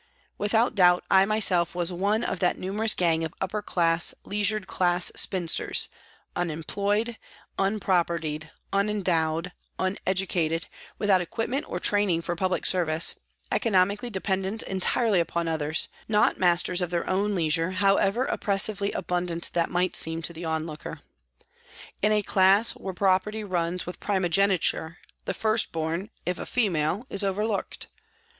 With out doubt I myself was one of that numerous gang of upper class leisured class spinsters, unemployed, unpropertied, unendowed, uneducated, without equipment or training for public service, economically dependent entirely upon others, not masters of their own leisure, however oppressively abundant that might seem to the onlooker. In a class where pro perty runs with primogeniture, the first born, if a female, is overlooked.